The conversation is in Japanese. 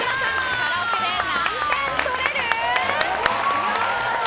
カラオケで何点取れる？